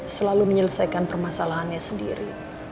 selalu menyelesaikan permasalahannya sendiri